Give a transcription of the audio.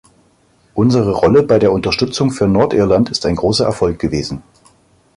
Unsere Rolle bei der Unterstützung für Nordirland ist ein großer Erfolg gewesen.